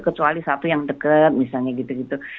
kecuali satu yang dekat misalnya gitu gitu